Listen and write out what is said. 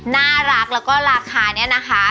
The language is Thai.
น่ารักแล้วก็ราคาเนี่ยนะคะ